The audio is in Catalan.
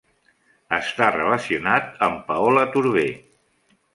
Està relacionat amb Paola Turbay.